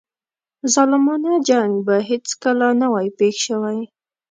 ظالمانه جنګ به هیڅکله نه وای پېښ شوی.